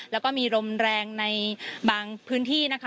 แล้วก็มีลมแรงในบางพื้นที่นะคะ